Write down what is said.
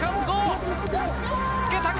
つけたか？